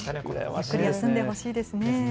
ゆっくり休んでほしいですね。